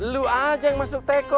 lu aja yang masuk teko